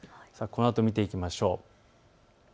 このあと見ていきましょう。